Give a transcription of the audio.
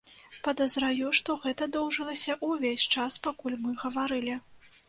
Падазраю, што гэта доўжылася ўвесь час, пакуль мы гаварылі.